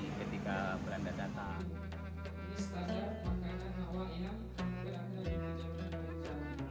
ini setelah makanan awal yang berada di pejabat masjid